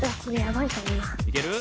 いける？